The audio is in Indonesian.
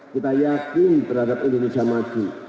kita yakin terhadap indonesia maju